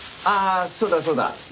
ああそうだそうだ。